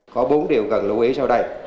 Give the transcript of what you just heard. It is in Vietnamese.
có bốn điều cần lưu ý sau đây